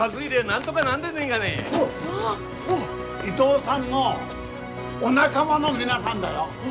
伊藤さんのお仲間の皆さんだよ。